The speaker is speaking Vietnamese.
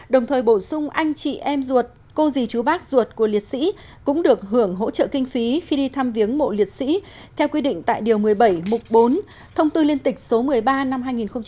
đồng thời bổ sung anh chị em ruột cô dì chú bác ruột của liệt sĩ cũng được hưởng hỗ trợ kinh phí khi đi thăm viếng mộ liệt sĩ theo quy định tại điều một mươi bảy mục bốn thông tư liên tịch số một mươi ba năm hai nghìn một mươi